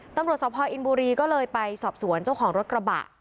ตำรวจสพออินบุรีก็เลยไปสอบสวนเจ้าของรถกระบะ